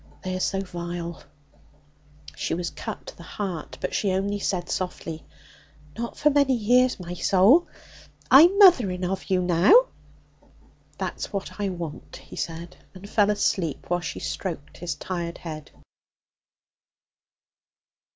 They are so vile.' She was cut to the heart, but she only said softly: 'Not for many years, my soul! I'm mothering of you now!' 'That's what I want,' he said, and fell asleep while she stroked' his tired head.